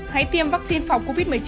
hãy tiêm vắc xin phòng covid một mươi chín